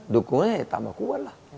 dukungannya ya tambah kuat lah